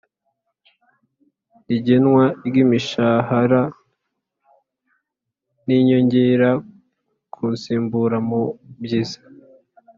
igenwa ry’ imishahara n’ inyongera ku nsimburamubyizi